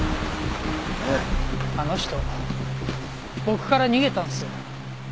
あの人僕から逃げたんですよ